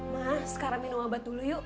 mah sekarang minum obat dulu yuk